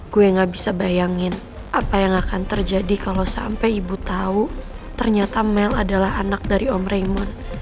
gue gak bisa bayangin apa yang akan terjadi kalau sampai ibu tahu ternyata mel adalah anak dari om raymoon